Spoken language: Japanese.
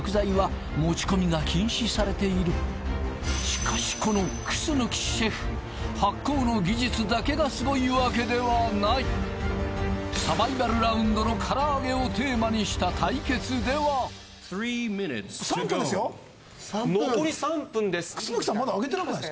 しかしこの楠シェフ発酵の技術だけが凄いわけではないサバイバルラウンドのから揚げをテーマにした対決では３分ですよ残り３分です